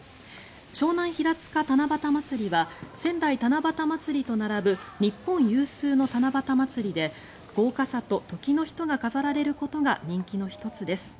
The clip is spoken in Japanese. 湘南ひらつか七夕まつりは仙台七夕まつりと並ぶ日本有数の七夕祭りで豪華さと時の人が飾られることが人気の１つです。